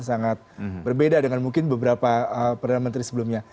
sangat berbeda dengan mungkin beberapa perdana menteri sebelumnya